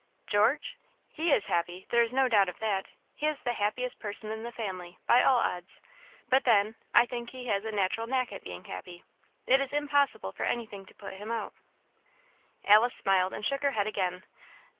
"George? He is happy, there is no doubt of that; he is the happiest person in the family, by all odds; but then I think he has a natural knack at being happy; it is impossible for anything to put him out." Alice smiled, and shook her head again.